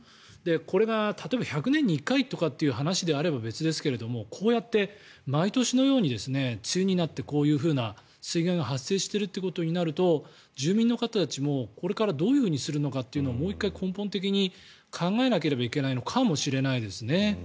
これが例えば１００年に１回という話であれば別ですけどこうやって毎年のように梅雨になってこういうふうな水害が発生しているということになると住民の方たちも、これからどうするのかということをもう１回、根本的に考えなければいけないのかもしれないですね。